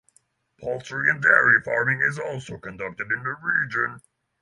Poultry and dairy farming is also conducted in the region.